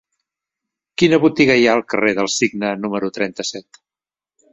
Quina botiga hi ha al carrer del Cigne número trenta-set?